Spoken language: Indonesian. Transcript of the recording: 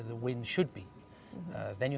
kemudian anda harus datang